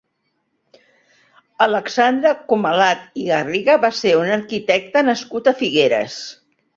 Alexandre Comalat i Garriga va ser un arquitecte nascut a Figueres.